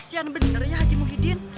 siapa bener ya haji muhyiddin